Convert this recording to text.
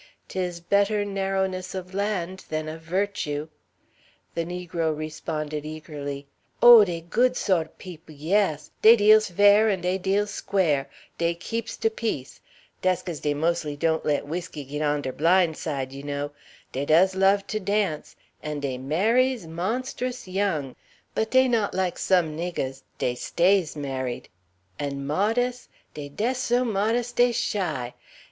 "'Tis better narrowness of land than of virtue." The negro responded eagerly: "Oh, dey good sawt o' peop', yes. Dey deals fair an' dey deals square. Dey keeps de peace. Dass 'caze dey mos'ly don't let whisky git on deir blin' side, you know. Dey does love to dance, and dey marries mawnstus young; but dey not like some niggehs: dey stays married. An' modess? Dey dess so modess dey shy!